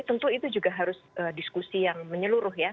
tentu itu juga harus diskusi yang menyeluruh ya